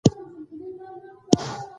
سیاسي مشرتابه باید امانتدار وي